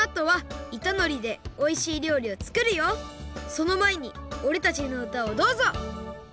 そのまえにおれたちのうたをどうぞ「